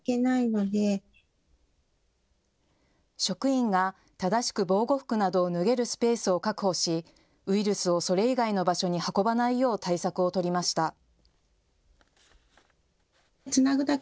職員が正しく防護服などを脱げるスペースを確保しウイルスをそれ以外の場所に運ばないよう対策を取りました。